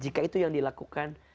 jika itu yang dilakukan